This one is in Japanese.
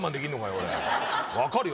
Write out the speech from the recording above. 俺分かるよ